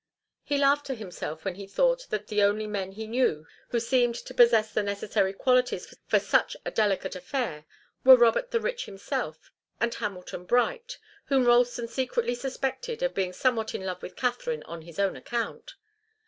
He laughed to himself when he thought that the only men he knew who seemed to possess the necessary qualities for such a delicate affair were Robert the Rich himself and Hamilton Bright, whom Ralston secretly suspected of being somewhat in love with Katharine on his own account.